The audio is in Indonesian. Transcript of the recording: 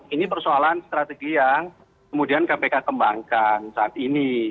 ini persoalan strategi yang kemudian kpk kembangkan saat ini